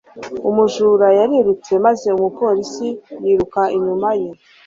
Umujura yarirutse maze umupolisi yiruka inyuma ye